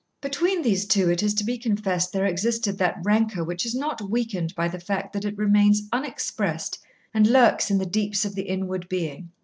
Between these two it is to be confessed there existed that rancour which is not weakened by the fact that it remains unexpressed and lurks in the deeps of the inward being.